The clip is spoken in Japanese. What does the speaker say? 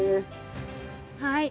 はい。